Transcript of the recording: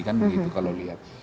kan begitu kalau lihat